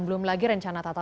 belum lagi rencana tatap muka